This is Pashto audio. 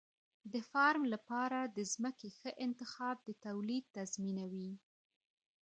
د فارم لپاره د ځمکې ښه انتخاب د تولید تضمینوي.